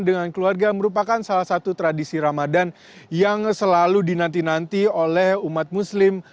dengan keluarga merupakan salah satu tradisi ramadan yang selalu dinanti nanti oleh umat muslim